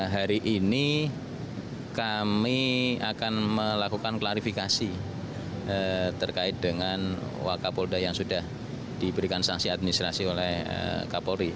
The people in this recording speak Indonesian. hari ini kami akan melakukan klarifikasi terkait dengan wakapolda yang sudah diberikan sanksi administrasi oleh kapolri